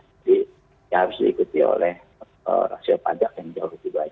jadi harus diikuti oleh rasio pajak yang jauh lebih baik